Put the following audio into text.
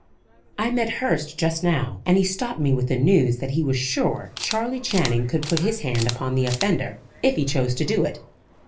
"I met Hurst just now, and he stopped me with the news that he was sure Charley Channing could put his hand upon the offender, if he chose to do it.